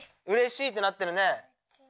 うれしいってなってるね。